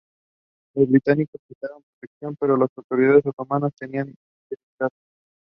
They subsequently moved to Vermont to teach at Goddard College and later divorced.